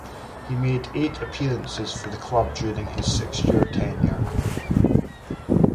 He made eight appearances for the club during his six-year tenure.